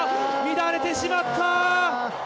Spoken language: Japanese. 乱れてしまった。